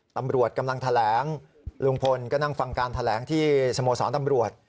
ตำรวจกำลังแถลงลุงพลก็นั่งฟังการแถลงที่สโมสรตำรวจ